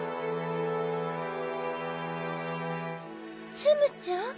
ツムちゃん？